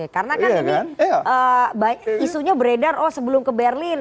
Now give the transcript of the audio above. karena kan ini isunya beredar oh sebelum ke berlin